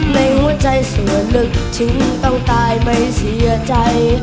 ในหัวใจส่วนลึกถึงต้องตายไม่เสียใจ